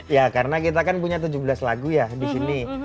ya karena kita kan punya tujuh belas lagu ya di sini